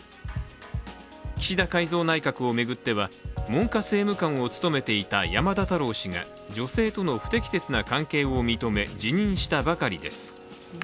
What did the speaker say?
岸田改造内閣を巡っては、文科政務官を務めていた山田太郎氏が女性との不適切な関係を認め辞任したばかりです。